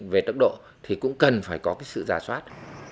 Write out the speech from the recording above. về tốc độ thì cũng cần phải có cái sự giả soát